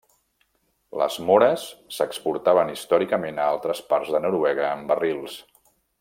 Les móres s'exportaven històricament a altres parts de Noruega en barrils.